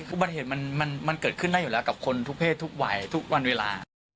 อุบัติเหตุมันเกิดขึ้นได้อยู่แล้วกับคนทุกเพศทุกวัยทุกวันเวลา